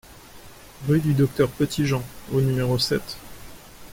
Rue du Docteur Petitjean au numéro sept